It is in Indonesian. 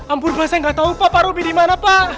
ambur bahasa gak tahu pak pak robi dimana pak